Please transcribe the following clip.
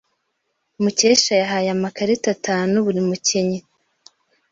Mukesha yahaye amakarita atanu buri mukinnyi.